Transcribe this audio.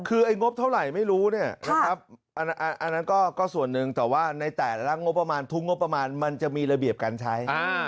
คือไอ้งบเท่าไหร่ไม่รู้เนี่ยนะครับอันนั้นก็ส่วนหนึ่งแต่ว่าในแต่ละงบประมาณทุกงบประมาณมันจะมีระเบียบการใช้